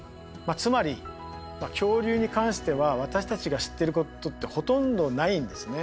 つまり恐竜に関しては私たちが知ってることってほとんどないんですね。